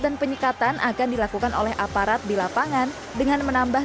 dan penyekatan akan dilakukan oleh aparat di lapangan dengan menambah